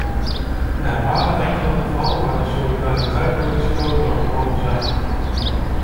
Er waren enkele gevallen waar de solidariteit wel iets groter had mogen zijn.